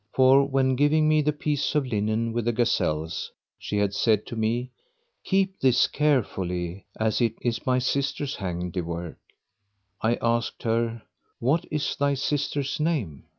For when giving me the piece of linen with the gazelles she had said to me, "Keep this carefully, as it is my sister's handiwork." I asked her, "What is thy sister's name?"